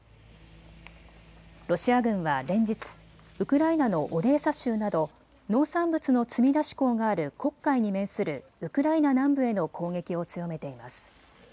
ロシア軍は連日、ウクライナのオデーサ州など農産物の積み出し港がある黒海に面するウクライナ南部への攻撃を強めています。